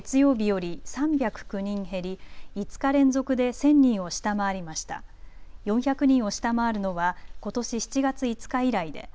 ４００人を下回るのはことし７月５日以来です。